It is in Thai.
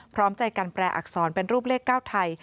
พร้อมใจการแปลอักษรเป็นรูปเลข๙ไทย